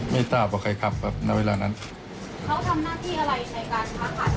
ไม่ทราบว่าใครทำครับณเวลานั้นเขาทำหน้าที่อะไรในการค้าขาย